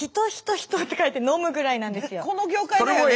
あとこの業界だよね？